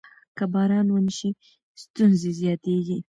که باران ونه شي ستونزې زیاتېږي.